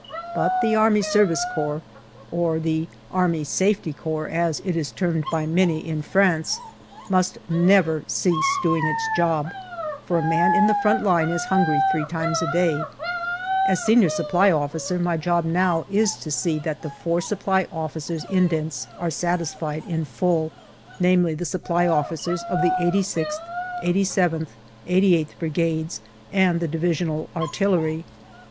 But the A.S.C., or the " Army Safety Corps " as it is termed by many in France, must never cease doing its job, for a man in the front line is hungry three times a day. As S.S.O., my job now is to see that the four Supply Officers' indents are satisfied in full, namely the Supply Officers of the 86th, 87th, 88th Brigades and the Divisional Artillery.